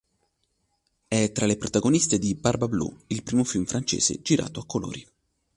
È tra le protagoniste di "Barbablù" il primo film francese girato a colori.